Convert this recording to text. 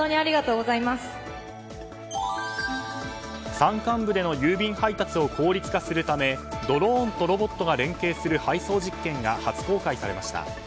山間部での郵便配達を効率化するためドローンとロボットが連携する配送実験が初公開されました。